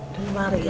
di lemari ya